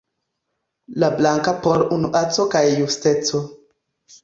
La blanka por unueco kaj justeco.